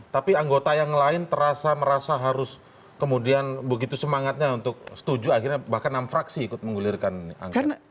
tapi anggota yang lain terasa merasa harus kemudian begitu semangatnya untuk setuju akhirnya bahkan enam fraksi ikut menggulirkan anggaran